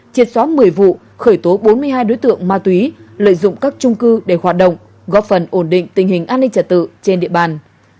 triệt xóa một mươi vụ khởi tố bốn mươi hai đối tượng ma túy lợi dụng các trung cư để hoạt động góp phần ổn định tình hình an ninh trật tự trên địa bàn